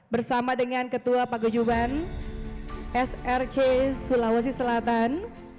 bersama dengan ketua paguyuban src sulawesi selatan